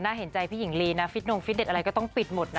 เห็นใจพี่หญิงลีนะฟิตนงฟิตเต็ตอะไรก็ต้องปิดหมดนะ